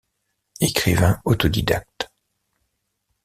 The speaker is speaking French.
Écrivain autodidacte.